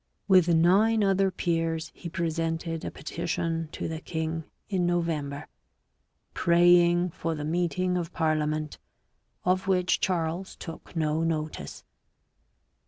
With nine other peers he presented a petition to the king in November, praying for the meeting of parliament, of which Charles took no notice.